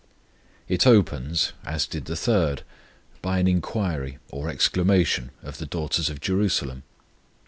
It opens, as did the third, by an inquiry or exclamation of the daughters of Jerusalem.